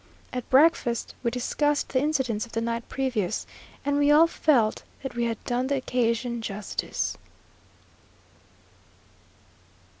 At breakfast we discussed the incidents of the night previous, and we all felt that we had done the occasion justice.